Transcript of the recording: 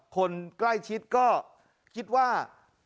คนใกล้ชิดก็คิดว่า